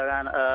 jadi gini mbak